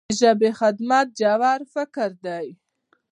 د ژبې خدمت ژور فکر دی.